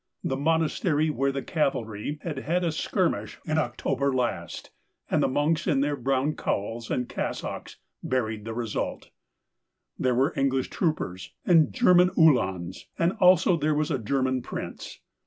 The monastery where the cavalry had a skirmish in October last, and the monks in their brown cowls and cassocks buried the result. There were English troopers, and German Uhlans, and also there was a German Prince.